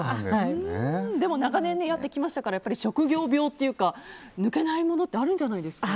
長年やってきましたから職業病というか抜けないものってあるんじゃないですか？